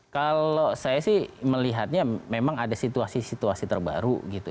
kalau saya sih melihatnya memang ada situasi situasi terbaru gitu